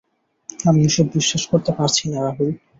আমি এসব বিশ্বাস করতে পারছিনা রাহুল।